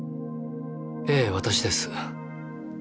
ええ私です。